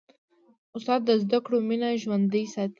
استاد د زدهکړو مینه ژوندۍ ساتي.